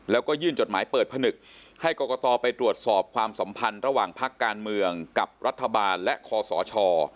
แล้วก็ยื่นจดหมายเปิดผนึกให้กรกตไปตรวจสอบความสัมพันธ์ระหว่างพักการเมืองกับรัฐบาลและคอสช